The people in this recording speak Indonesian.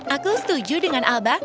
aku setuju dengan alba